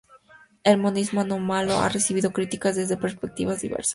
El monismo anómalo ha recibido críticas desde perspectivas diversas.